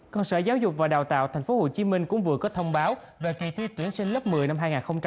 còn sở giáo dục và đào tạo tp hcm cũng vừa có thông báo về kỳ thi tuyển sinh lớp một mươi năm hai nghìn một mươi chín